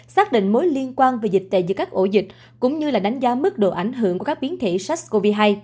xác định mối liên quan về dịch tệ giữa các ổ dịch cũng như là đánh giá mức độ ảnh hưởng của các biến thể sars cov hai